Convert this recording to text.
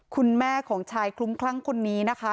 คุณแม่ของชายคลุ้มคลั่งคนนี้นะคะ